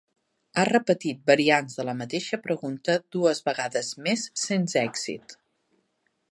Ha repetit variants de la mateixa pregunta dues vegades més, sens èxit.